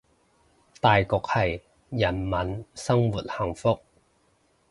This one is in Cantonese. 大局係人民生活幸福